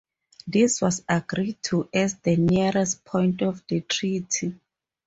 This was agreed to as the "nearest point" of the treaty.